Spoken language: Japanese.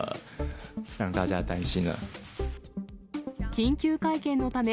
緊急会見のため、